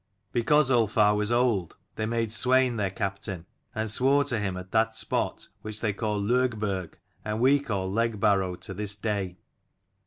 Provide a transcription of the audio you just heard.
Because Ulfar was old they made Swein their captain, and swore to him at that spot, which they called Logberg, and we call Legbarrow to this day.